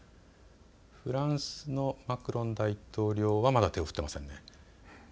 フランスのマクロン大統領はまだ手を振っていません。